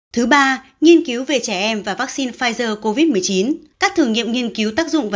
thứ ba nghiên cứu về trẻ em và vaccine pfizer covid một mươi chín các thử nghiệm nghiên cứu tác dụng và